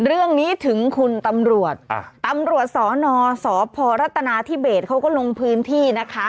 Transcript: อ้าวเรื่องนี้ถึงคุณตำรวจอ่ะตำรวจสรสรพรตนาที่เบสเขาก็ลงพื้นที่นะคะ